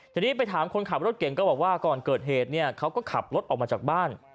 ทีนี้ไปถามคนขับรถเก่งก็บอกว่าก่อนเกิดเหตุเนี่ยเขาก็ขับรถออกมาจากบ้าน